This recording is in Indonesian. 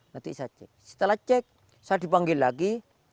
nanti saya cek setelah cek saya dipanggil lagi